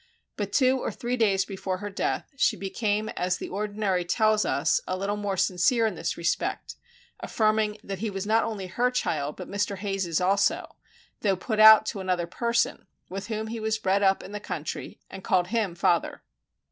But two or three days before her death, she became as the ordinary tells us a little more sincere in this respect, affirming that he was not only her child, but Mr. Hayes's also, though put out to another person, with whom he was bred up in the country and called him father.